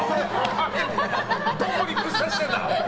どこにぶっ刺してんだ！